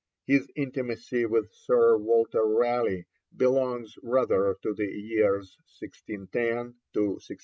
His intimacy with Sir Walter Raleigh belongs rather to the years 1610 to 1612.